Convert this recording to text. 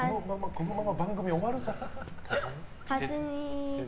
このまま番組終わるぞ。